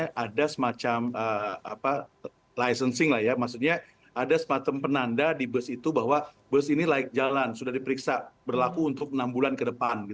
ada semacam licensing lah ya maksudnya ada semacam penanda di bus itu bahwa bus ini layak jalan sudah diperiksa berlaku untuk enam bulan ke depan